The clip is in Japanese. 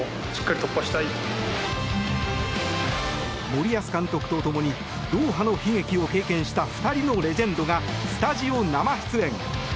森保監督とともにドーハの悲劇を経験した２人のレジェンドがスタジオ生出演。